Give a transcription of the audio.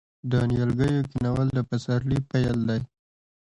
د نیالګیو کینول د پسرلي پیل دی.